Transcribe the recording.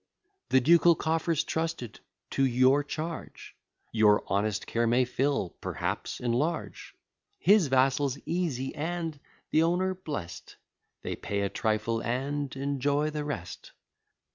The ducal coffers trusted to your charge, Your honest care may fill, perhaps enlarge: His vassals easy, and the owner blest; They pay a trifle, and enjoy the rest.